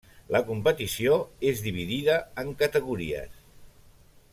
La competició és dividida en categories.